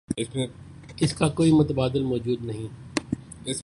اس کا کوئی متبادل موجود نہیں۔